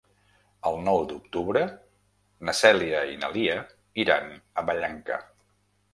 El nou d'octubre na Cèlia i na Lia iran a Vallanca.